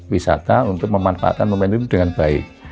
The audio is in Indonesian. wisata untuk memanfaatkan momentum dengan baik